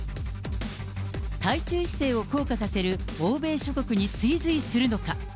対中姿勢を硬化させる欧米諸国に追随するのか。